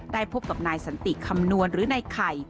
ได้พบกับนายสนติกคำนวณหรือในไข่